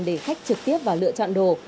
để khách trực tiếp vào lựa chọn đồ